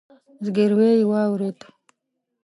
ځګيروی يې واورېد.